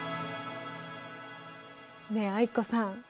ねえ藍子さん